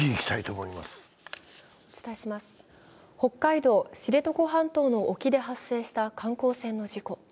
北海道知床半島の沖で発生した観光船の事故。